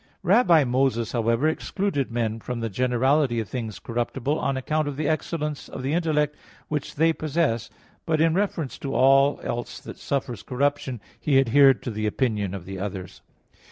Rabbi Moses, however, excluded men from the generality of things corruptible, on account of the excellence of the intellect which they possess, but in reference to all else that suffers corruption he adhered to the opinion of the others.